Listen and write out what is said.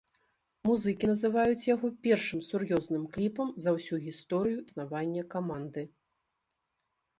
Музыкі называюць яго першым сур'ёзным кліпам за ўсю гісторыю існавання каманды.